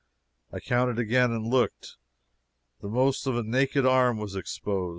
I counted again and looked the most of a naked arm was exposed.